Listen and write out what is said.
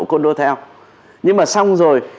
cô đô theo nhưng mà xong rồi